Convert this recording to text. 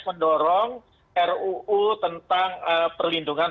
mendorong ruu tentang perlindungan